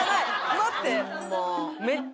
待って！